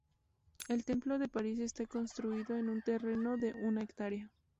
El templo de París está construido en un terreno de una hectárea.